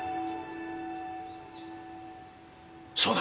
そうだ！